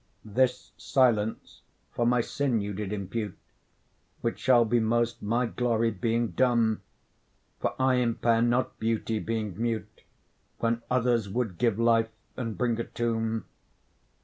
This silence for my sin you did impute, Which shall be most my glory being dumb; For I impair not beauty being mute, When others would give life, and bring a tomb.